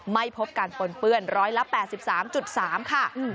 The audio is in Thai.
ไม่พบการปนเปื้อน๑๘๓๓ค่ะ